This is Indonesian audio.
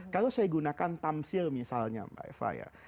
kalau saya gunakan tamsil misalnya mbak eva ya